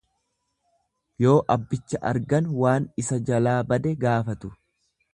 Yoo abbicha argan waan isa jalaa bade gaafatu.